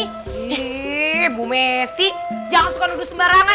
ini bu messi jangan suka nuduh sembarangan